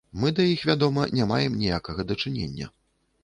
Мы да іх, вядома, не маем ніякага дачынення.